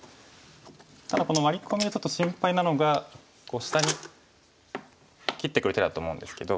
ただこのワリ込みがちょっと心配なのが下に切ってくる手だと思うんですけど。